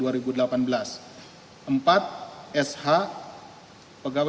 ketiga glp kerejaan pertama